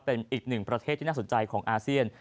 เป็นอีกหนึ่งประเทศที่น่าสนใจของอาเซียน